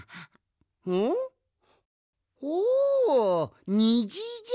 おおにじじゃ！